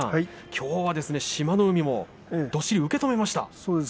きょうは志摩ノ海もどっしり受け止めました。